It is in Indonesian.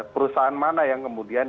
perusahaan mana yang kemudian